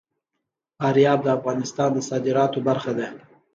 فاریاب د افغانستان د صادراتو برخه ده.